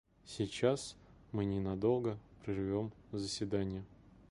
Сейчас мы ненадолго прервем заседание.